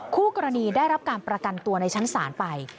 คู่กรณีได้รับการประกันตัวในชั้นศาลไป